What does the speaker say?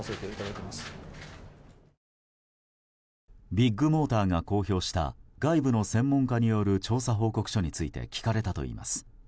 ビッグモーターが公表した外部の専門家による調査報告書について聞かれたといいます。